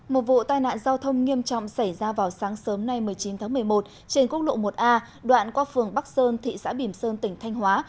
một vụ tai nạn giao thông nghiêm trọng xảy ra vào sáng sớm nay một mươi chín tháng một mươi một trên quốc lộ một a đoạn qua phường bắc sơn thị xã bìm sơn tỉnh thanh hóa